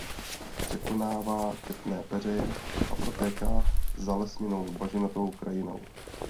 Překonává četné peřeje a protéká zalesněnou bažinatou krajinou.